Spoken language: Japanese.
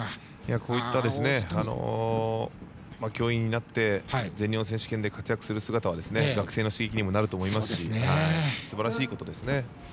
こういった教員になって全日本選手権で活躍する姿は学生の刺激にもなると思いますしすばらしいことですね。